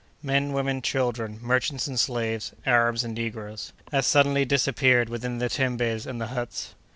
Men, women, children, merchants and slaves, Arabs and negroes, as suddenly disappeared within the "tembes" and the huts.